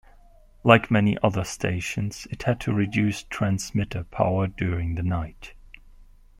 Like many other stations, it had to reduce transmitter power during the night.